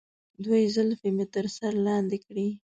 دوی زلفې مې تر سر لاندې کړي.